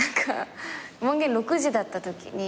門限６時だったときに。